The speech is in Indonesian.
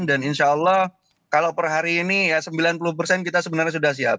dan insya allah kalau per hari ini ya sembilan puluh kita sebenarnya sudah siap